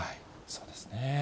そうですね。